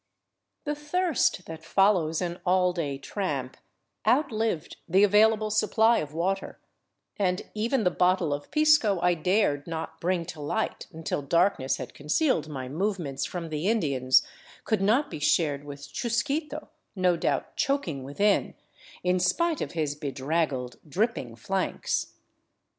The thirst that follows an all day tramp outlived the available supply of water, and even the bottle of pisco I dared not bring to light until darkness had concealed my movements from the Indians could not be shared with Chusquito, no doubt choking within, in spite of his bedrag gled, dripping flanks.